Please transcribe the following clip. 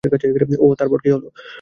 ওহ, তারপর কী হল?